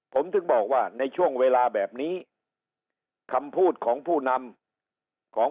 ผมถึงบอกว่าในช่วงเวลาแบบนี้คำพูดของผู้นำของ